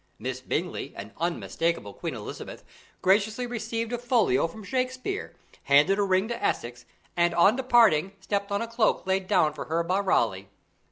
Miss Bingley, an unmistakable Queen Elizabeth, graciously received a folio from Shakespeare, handed a ring to Essex, and on departing, stepped on a cloak laid down for her by Raleigh.